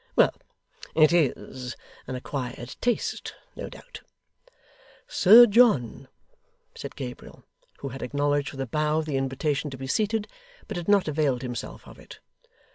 Well! it IS an acquired taste, no doubt.' 'Sir John,' said Gabriel, who had acknowledged with a bow the invitation to be seated, but had not availed himself of it.